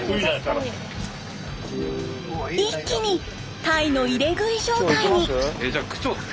一気に鯛の入れ食い状態に！